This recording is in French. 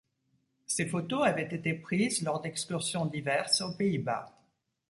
Ces photos avaient été prises lors d’excursions diverses aux Pays-Bas.